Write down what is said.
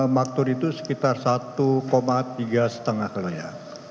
maktur itu sekitar satu tiga lima kali ya